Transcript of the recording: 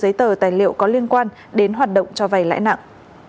lấy tờ tài liệu có liên quan đến hoạt động cho vầy lãi nặng